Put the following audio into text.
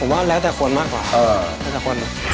ครับครับ